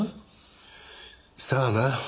さあな。